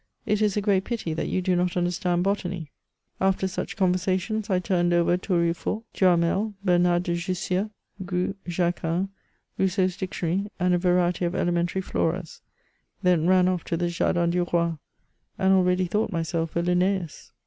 It is a great pity that you do not understand botany." After such conversations, I turned over Touruefort, Duhamel, Bernard de Jussieu, Grew, Jacquin, Rousseau's Dictionary, and a variety of elementary Floras ; then ran off to the Jardin du Roiy and already thought myself a Lin naeus.